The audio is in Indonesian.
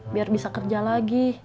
biar bisa kerja lagi